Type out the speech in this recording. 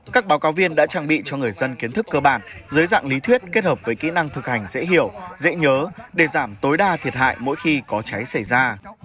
các báo cáo viên đã trang bị cho người dân kiến thức cơ bản dưới dạng lý thuyết kết hợp với kỹ năng thực hành dễ hiểu dễ nhớ để giảm tối đa thiệt hại mỗi khi có cháy xảy ra